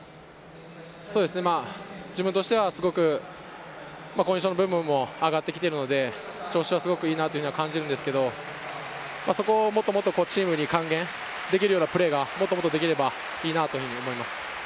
自分としてはすごくコンディションの部分も上がってきているので、調子はいいと感じるんですけれど、もっとチームに還元できるようなプレーがもっとできればいいと思います。